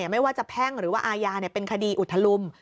ไม่ว่าจะแพ่งหรือว่าอาญาเป็นคดีอุทลุม